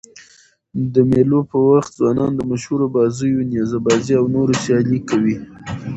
د مېلو پر وخت ځوانان د مشهورو بازيو: نیزه بازي او نورو سيالۍ کوي.